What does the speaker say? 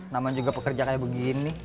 namanya juga pekerja kayak begini